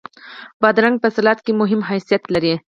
بادرنګ په سلاد کې مهم حیثیت لري.